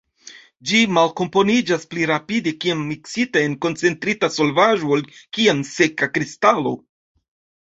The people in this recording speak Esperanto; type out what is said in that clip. Ĝi malkomponiĝas pli rapide kiam miksita en koncentrita solvaĵo ol kiam seka kristalo.